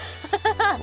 ハハハ